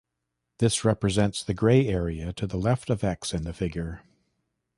This represents the gray area to the left of "x" in the figure.